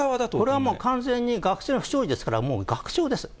これはもう、完全に学長の不祥事ですから、学長です。